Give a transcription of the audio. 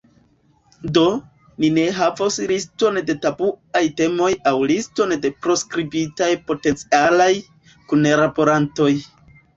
Do, ni ne havos liston de tabuaj temoj aŭ liston de proskribitaj potencialaj kunlaborantoj.